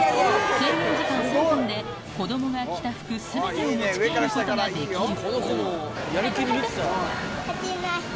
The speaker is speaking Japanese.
制限時間３分で、子どもが着た服、すべてを持ち帰ることができる。